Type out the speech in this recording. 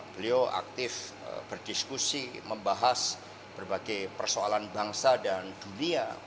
beliau aktif berdiskusi membahas berbagai persoalan bangsa dan dunia